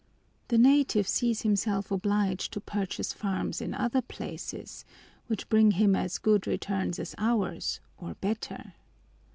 The native sees himself obliged to purchase farms in other places, which bring him as good returns as ours, or better.